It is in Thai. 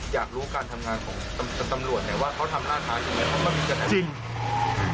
อยากรู้การทำงานของตำรวจแต่ว่าเขาทำล่าช้าหรือเปล่า